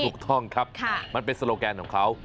ถูกต้องครับมันเป็นโซโลแกนของเขา